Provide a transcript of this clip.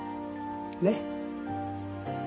ねっ。